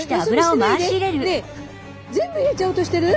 全部入れちゃおうとしてる！？